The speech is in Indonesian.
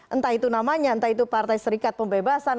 entah itu namanya entah itu partai serikat pembebasan